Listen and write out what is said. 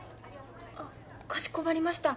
あかしこまりました。